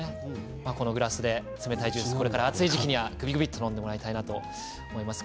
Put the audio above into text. このグラスで冷たいジュースこれから暑い時期にはぐびぐびと飲んでもらいたいと思います。